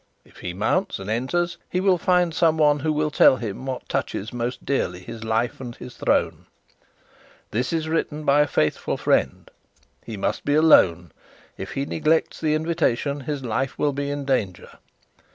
If he mounts and enters, he will find someone who will tell him what touches most dearly his life and his throne. This is written by a faithful friend. He must be alone. If he neglects the invitation his life will be in danger.